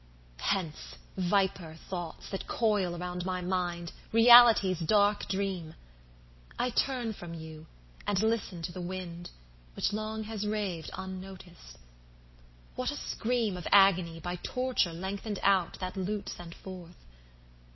VIIHence, viper thoughts, that coil around my mind, Reality's dark dream!I turn from you, and listen to the wind, Which long has raved unnoticed. What a screamOf agony by torture lengthened outThat lute sent forth!